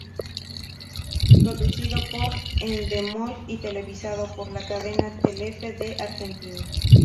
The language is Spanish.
Producido por "Endemol" y televisado por la cadena Telefe de Argentina.